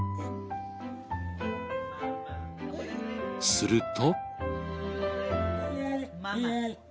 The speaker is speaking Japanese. すると。